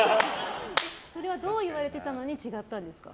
それはどう言われてたのに違ったんですか？